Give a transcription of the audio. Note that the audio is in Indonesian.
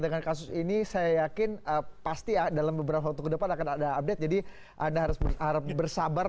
dengan kasus ini saya yakin pasti dalam beberapa waktu ke depan akan ada update jadi anda harus bersabar